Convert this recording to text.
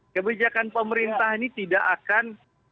kebijakan pemerintah ini tidak akan